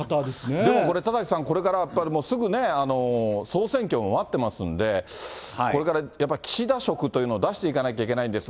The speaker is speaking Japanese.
でもこれ、田崎さん、これからすぐね、総選挙も待ってますんで、これからやっぱり岸田色というのを出していかなきゃいけないんですが。